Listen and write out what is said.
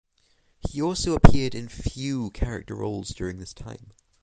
He also appeared in few character roles during this time.